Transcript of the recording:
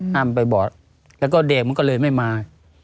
ห้ามไปบอดแล้วก็เด็กมันก็เลยไม่มา